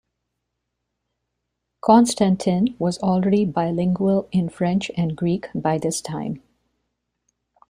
Constantin was already bilingual in French and Greek by this time.